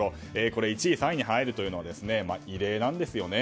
これ、１位、３位に入るというのは異例なんですね。